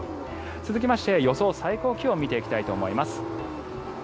続きまして、予想最高気温見ていきたいと思います。